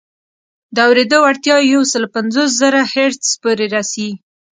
د اورېدو وړتیا یې یو سل پنځوس زره هرتز پورې رسي.